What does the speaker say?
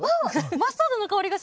マスタードの香りがします。